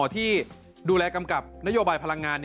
ที่ดูแลกำกับนโยบายพลังงาน